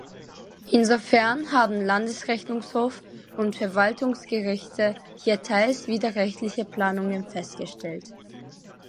Insofern haben Landesrechnungshof und Verwaltungsgerichte hier teils widerrechtliche Planungen festgestellt.